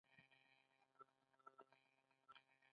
د هضم لپاره د زیرې او تورې مالګې ګډول وکاروئ